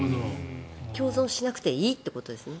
共存しなくていいってことですね。